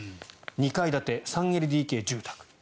２階建て、３ＬＤＫ住宅。